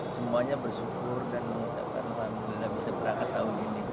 semuanya bersyukur dan mengucapkan alhamdulillah bisa berangkat tahun ini